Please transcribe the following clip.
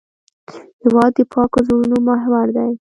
هېواد د پاکو زړونو محور دی.